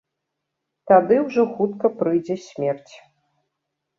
Тады ўжо хутка прыйдзе смерць.